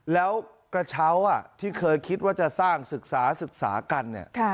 แล้วกระเช้าที่เคยคิดว่าจะสร้างศึกษากัน